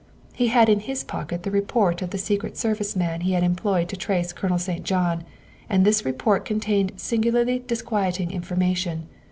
He had in his pocket the report of the Secret Service man he had employed to trace Colonel St. John, and this report contained singularly disquieting information.